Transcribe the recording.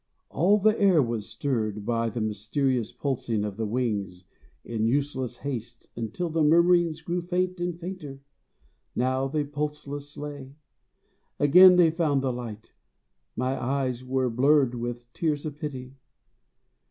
All the air was stirred By the mysterious pulsing of the wings In useless haste, until their murmurings Grew faint and fainter; now they pulse less lay. Again they found the light my eyes were blurred With tears of pity.